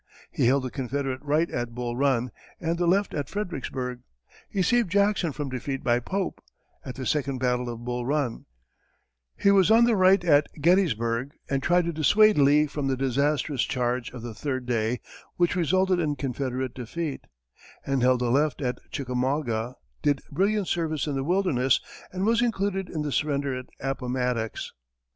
He held the Confederate right at Bull Run, and the left at Fredericksburg; he saved Jackson from defeat by Pope, at the second battle of Bull Run; he was on the right at Gettysburg, and tried to dissuade Lee from the disastrous charge of the third day which resulted in Confederate defeat; he held the left at Chickamauga, did brilliant service in the Wilderness, and was included in the surrender at Appomattox.